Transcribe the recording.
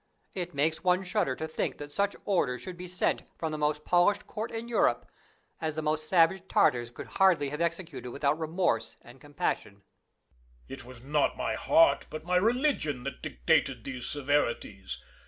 It makes one shudder to think that such orders should be sent from the most polished court in Europe, as the most savage Tartars could hardly have executed without remorse and compassion. Louis. It was not my heart, but my religion, that dictated these severities.